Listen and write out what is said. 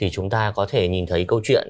chúng ta có thể nhìn thấy câu chuyện